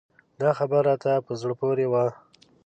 دا خبر راته په زړه پورې و.